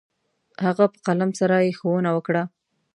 هغه په قلم سره يې ښوونه وكړه.